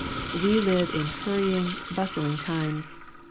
We live in hurrying, bustling times.